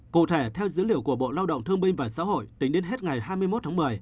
cụ thể theo dữ liệu của bộ lao động thương binh và xã hội tính đến hết ngày hai mươi một tháng một mươi